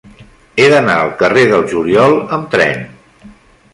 He d'anar al carrer del Juliol amb tren.